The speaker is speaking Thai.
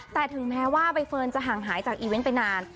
แต่ถึงแม้ว่าใบเฟิร์นจะห่างหายจากอีเวนต์ไปนาน